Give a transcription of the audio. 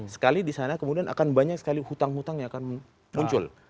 sekali di sana kemudian akan banyak sekali hutang hutang yang akan muncul